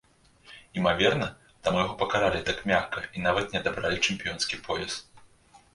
Імаверна, таму яго пакаралі так мякка і нават не адабралі чэмпіёнскі пояс.